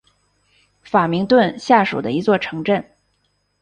法明顿下属的一座城镇。